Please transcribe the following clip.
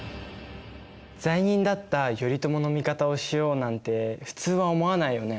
罪人だった頼朝の味方をしようなんて普通は思わないよね。